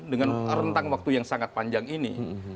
dengan rentang waktu yang sangat panjang ini